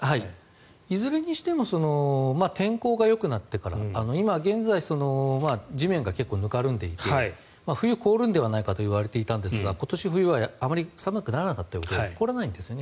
いずれにしても天候がよくなってから今現在地面が結構ぬかるんでいて冬に凍るんではないかといわれていたんですが今年、冬はあまり寒くならなかったようで凍らないんですね。